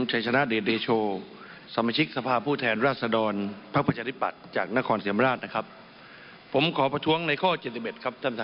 จัยชนะเดทเดชโชสามาชิกสภาพผู้แทนราษดรพพจริปัส